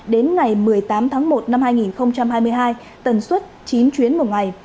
đến ngày một mươi tám tháng một năm hai nghìn hai mươi hai tần suất chín chuyến một ngày